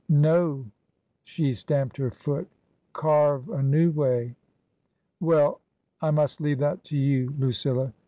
" No !"— she stamped her foot —" carve a new way." " Well ! I must leave that to you, Lucilla.